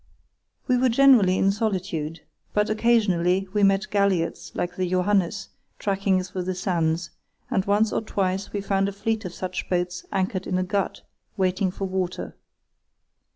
We were generally in solitude, but occasionally we met galliots like the Johannes tacking through the sands, and once or twice we found a fleet of such boats anchored in a gut, waiting for water.